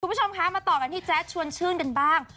คุณผู้ชมคะมาต่อกันที่แจ๊ดชวนชื่นกันบ้าง